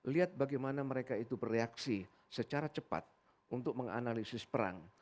lihat bagaimana mereka itu bereaksi secara cepat untuk menganalisis perang